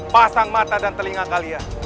pasang mata dan telinga kalian